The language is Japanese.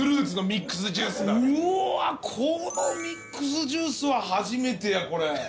このミックスジュースは初めてやこれ。